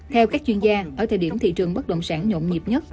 theo các chuyên gia ở thời điểm thị trường bất động sản nhộn nhịp nhất